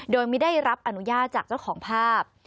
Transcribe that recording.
โดยไม่ได้รับอนุญาตจากเจ้าของภาพ